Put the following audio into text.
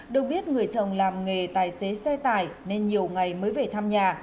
được biết người chồng làm nghề tài xế xe tải nên nhiều ngày mới về thăm nhà